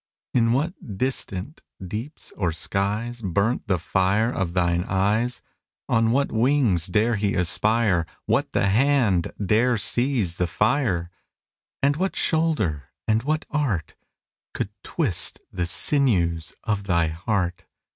In what distant deeps or skies Burnt the fire of thine eyes? On what wings dare he aspire? What the hand dare sieze the fire? And what shoulder, & what art, Could twist the sinews of thy heart?